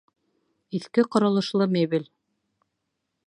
Иҫке ҡоролошло мебель